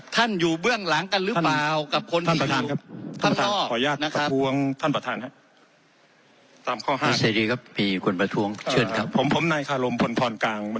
ท่านอยู่เบื้องหลังกันรึเปล่า